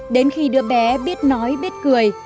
đến khi đứa bé biết nói biết cười